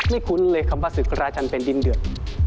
คุ้นเลยคำว่าศึกราชันเป็นดินเดือด